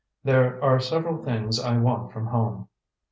There are several things I want from home."